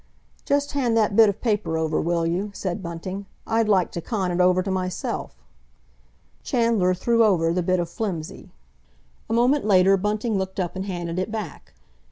"Just hand that bit of paper over, will you?" said Bunting. "I'd like to con it over to myself." Chandler threw over the bit of flimsy. A moment later Bunting looked up and handed it back.